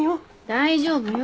大丈夫よ。